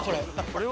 これ。